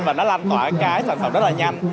và nó lan tỏa cái sản phẩm rất là nhanh